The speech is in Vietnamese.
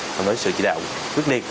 và với sự chỉ đạo quyết liệt